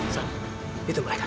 san itu mereka